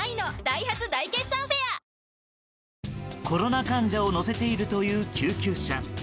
コロナ患者を乗せているという救急車。